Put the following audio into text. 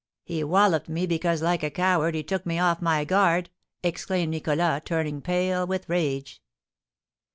"He walloped me, because, like a coward, he took me off my guard," exclaimed Nicholas, turning pale with rage.